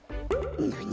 なに？